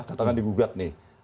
katakan digugat nih